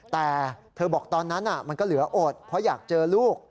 แต่เธอบอกตอนนั้นมันก็เหลืออดเพราะอยากเจอลูก